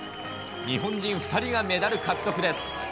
日本人２人がメダル獲得です。